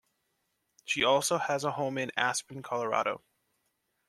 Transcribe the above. She also has a home in Aspen, Colorado.